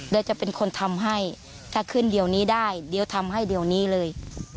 โดยจะเป็นคนทำให้ถ้าขึ้นเดี๋ยวนี้ได้เดี๋ยวทำให้เดี๋ยวนี้เลย